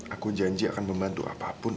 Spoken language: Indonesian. aku janji akan membantu apapun